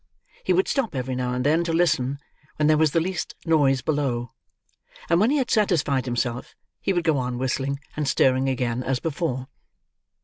He would stop every now and then to listen when there was the least noise below: and when he had satisfied himself, he would go on whistling and stirring again, as before.